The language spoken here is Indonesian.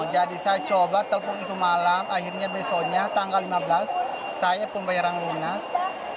jadi saya coba terpuk itu malam akhirnya besoknya tanggal lima belas saya pembayaran lunas